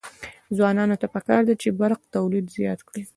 ځوانانو ته پکار ده چې، برق تولید زیات کړي.